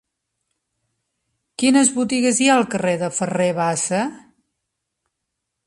Quines botigues hi ha al carrer de Ferrer Bassa?